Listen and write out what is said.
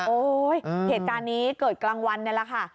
โอ้ยเหตุการณ์นี้เกิดกลางวันแล้วค่ะ